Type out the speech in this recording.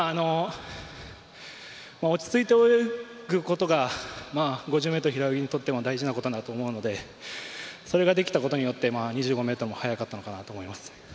落ち着いて泳ぐことが５０ｍ平泳ぎにとって大事なことになると思うのでそれができたことによって２５ｍも速かったのかなと思います。